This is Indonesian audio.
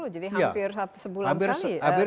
jadi hampir sebulan sekali